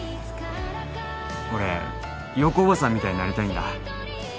俺陽子おばさんみたいになりたいんだ